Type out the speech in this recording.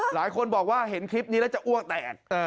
หลายคนบอกว่าเห็นคลิปนี้แล้วจะอ้วกแตก